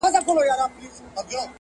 د خپلي مور پوړنی وړي د نن ورځي غازیان.!